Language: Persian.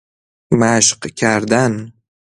مشق کردن